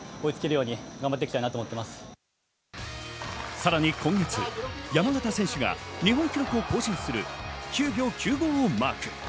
さらに今月、山縣選手が日本記録を更新する９秒９５をマーク。